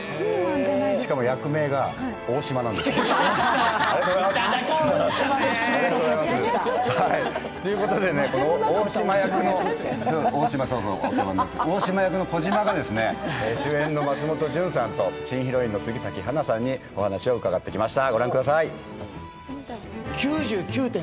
しかも役名が大島なんですよ。ということで、大島役の児嶋が松本潤さんと新ヒロインの杉咲花さんにお話を伺ってきました。